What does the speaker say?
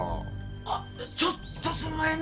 あちょっとすんまへんな。